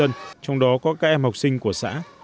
dân dân trong đó có các em học sinh của xã